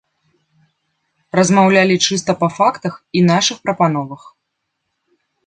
Размаўлялі чыста па фактах і нашых прапановах.